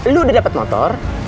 lu udah dapet motor